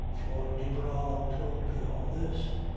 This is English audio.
Flora de Barral told me all this.